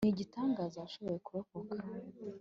Nigitangaza washoboye kurokoka